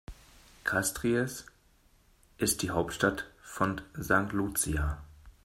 Castries ist die Hauptstadt von St. Lucia.